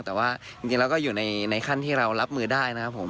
แต่ว่าจริงแล้วก็อยู่ในขั้นที่เรารับมือได้นะครับผม